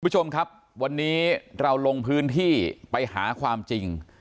คุณผู้ชมครับวันนี้เราลงพื้นที่ไปหาความจริง